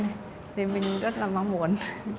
nên mình rất là mong muốn